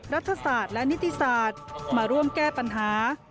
รัฐศาสตร์และนิติศาสตร์มาร่วมแก้ปัญหา